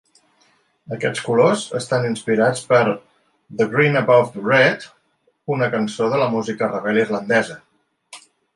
Aquests colors estan inspirats per "The Green Above The Red", una cançó de la música rebel irlandesa.